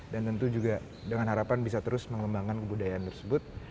dan tentu juga dengan harapan bisa terus mengembangkan kebudayaan tersebut